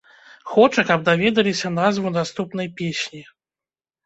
Хоча, каб даведаліся назву наступнай песні.